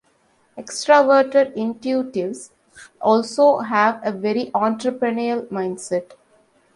Extraverted Intuitives also have a very entrepreneurial mindset.